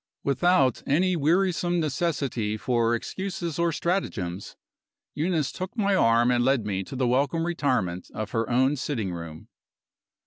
Without any wearisome necessity for excuses or stratagems, Eunice took my arm and led me to the welcome retirement of her own sitting room.